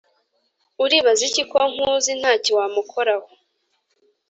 Uribaza iki ko nkuzi ntacyo wamukoraho